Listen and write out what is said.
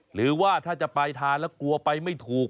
หรือว่าถ้าจะไปทานแล้วกลัวไปไม่ถูก